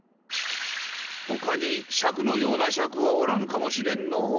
ほかにシャクのようなシャクはおらぬかもしれんの。